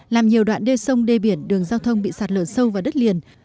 làm nhiều đoạn đê sông đê biển đường giao thông bị sạt lở sâu vào đất liền